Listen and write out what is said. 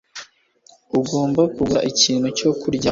Ugomba kugura ikintu cyo kurya.